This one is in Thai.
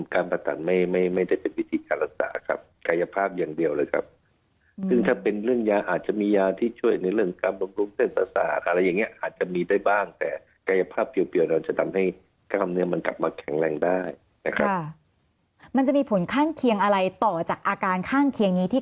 การผ่าตัดไม่ไม่ไม่ได้เป็นวิธีการรักษาครับกายภาพอย่างเดียวเลยครับซึ่งถ้าเป็นเรื่องยาอาจจะมียาที่ช่วยในเรื่องการบำรุงเส้นประสาทอะไรอย่างเงี้อาจจะมีได้บ้างแต่กายภาพเปรียวเราจะทำให้กล้ามเนื้อมันกลับมาแข็งแรงได้นะครับมันจะมีผลข้างเคียงอะไรต่อจากอาการข้างเคียงนี้ที่